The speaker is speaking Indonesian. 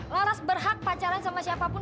laras berhak pacaran sama siapapun